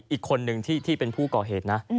อีกคนนึงที่เป็นผู้ก่อเหตุนะ